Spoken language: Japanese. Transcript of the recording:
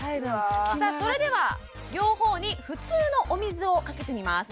それでは両方に普通のお水をかけてみます